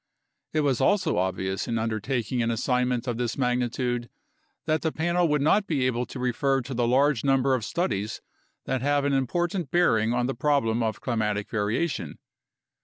It was also obvious in undertaking an assign ment of this magnitude that the Panel would not be able to refer to the large number of studies that have an important bearing on the problem of climatic variation.